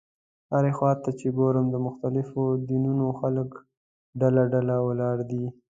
هرې خوا ته چې ګورم د مختلفو دینونو خلک ډله ډله ولاړ دي.